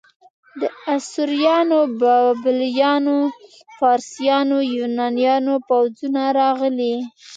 د اسوریانو، بابلیانو، فارسیانو، یونانیانو پوځونه راغلي.